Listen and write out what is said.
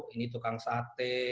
ini tukang sate